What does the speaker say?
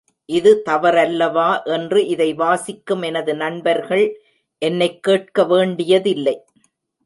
இது தவறல்லவா என்று இதை வாசிக்கும் எனது நண்பர்கள் என்னைக் கேட்க வேண்டியதில்லை.